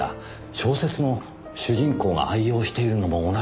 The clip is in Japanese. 小説の主人公が愛用しているのも同じナイフだったんですねぇ。